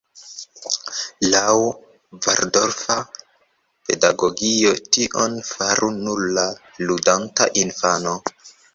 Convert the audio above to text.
Laŭ valdorfa pedagogio, tion faru nur la ludanta infano.